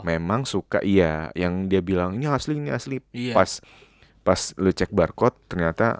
memang suka iya yang dia bilang ini asli ini asli pas pas lu cek barcode ternyata